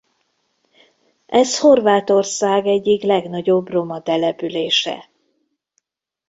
Ez Horvátország egyik legnagyobb roma települése.